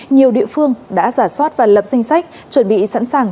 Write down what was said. nhiều địa phương đã giả soát và lập danh sách chuẩn bị sẵn sàng